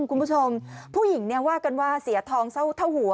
คุณผู้ชมผู้หญิงเนี่ยว่ากันว่าเสียทองเท่าหัว